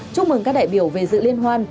chúc mừng các đại biểu về dự liên hoan